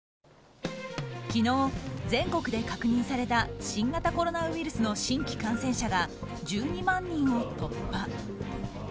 昨日、全国で確認された新型コロナウイルスの新規感染者が１２万人を突破。